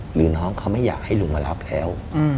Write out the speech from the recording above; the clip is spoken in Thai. หรือน้องเขาไม่อยากให้ลุงมารับแล้ว